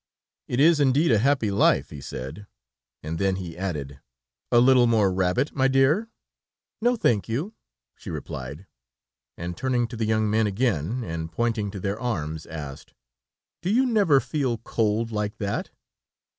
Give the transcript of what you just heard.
"It is indeed a happy life," he said. And then he added: "A little more rabbit, my dear?" "No, thank you," she replied and turning to the young men again, and pointing to their arms asked: "Do you never feel cold like that?"